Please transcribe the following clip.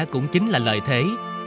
cũng chính là lời thế